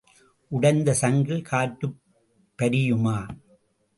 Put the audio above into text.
உடைந்த சங்கில் காற்றுப் பரியுமா?